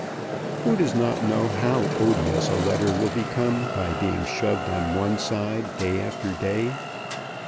Who does not know how odious a letter will become by being shoved on one side day after day?